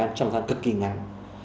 trong thời gian cực kỳ ngắn